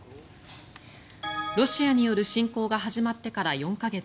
ロシアによる侵攻が始まってから４か月。